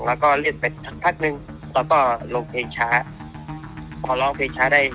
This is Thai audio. แล้วก็เล่นไปสักพักหนึ่งแล้วก็ลงเพลงช้าพอร้องเพลงช้าได้